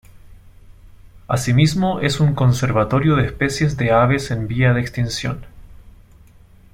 Así mismo es un conservatorio de especies de aves en vía de extinción.